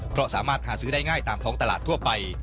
เพราะสามารถหาซื้อได้ง่ายตามท้องตลาดทั่วไป